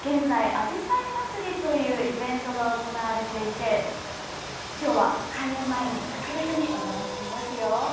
現在、あじさい祭りというイベントが行われていて、きょうは開園前に、特別にお邪魔していますよ。